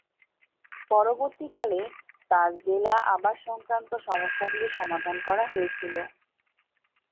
পরবর্তীকালে, তার জেলা আবাস সংক্রান্ত সমস্যাগুলি সমাধান করা হয়েছিল।